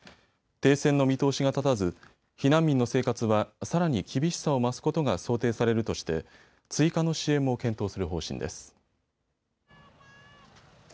停戦の見通しが立たず避難民の生活はさらに厳しさを増すことが想定されるとして追加の支援も検討する方針です。